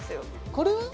これは？